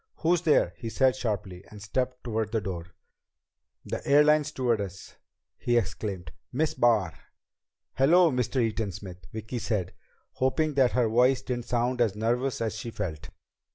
"Who's there?" he said sharply, and stepped toward the door. "The airline stewardess!" he exclaimed. "Miss Barr!" "Hello, Mr. Eaton Smith," Vicki said, hoping that her voice didn't sound as nervous as she felt.